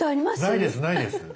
ないですないです。